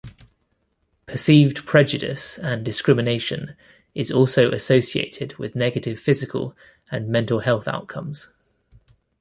Perceived prejudice and discrimination is also associated with negative physical and mental health outcomes.